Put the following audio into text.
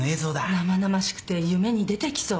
生々しくて夢に出てきそう。